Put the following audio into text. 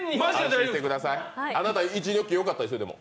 あなた、１ニョッキよかったですよ、でも。